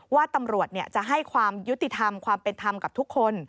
ว่าตำรวจจะให้ความยุติธรรมความเป็นธรรมกับทุกคน